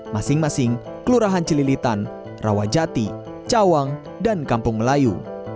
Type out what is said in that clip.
masing masing kelurahan cililitan rawajati cawang dan kampung melayu